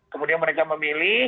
kemudian mereka memilih